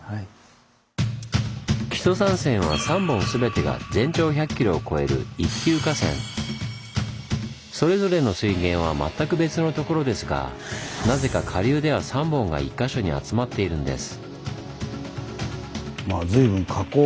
木曽三川は３本全てが全長１００ｋｍを超えるそれぞれの水源は全く別のところですがなぜか下流では３本が１か所に集まっているんです。